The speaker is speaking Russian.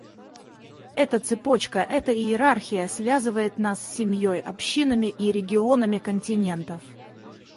Эта цепочка, эта иерархия, связывает нас с семьей, общинами и регионами континентов.